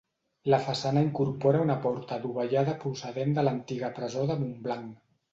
La façana incorpora una porta dovellada procedent de l'antiga presó de Montblanc.